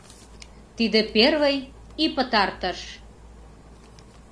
Тиде — первый и пытартыш!